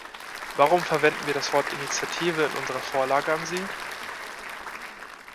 Warum verwenden wir das Wort Initiative in unserer Vorlage an Sie?